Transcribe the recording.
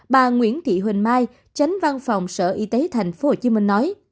bà nguyễn thị huỳnh mai tránh văn phòng sở y tế thành phố hồ chí minh nói